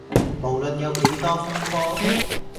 無論有幾多風波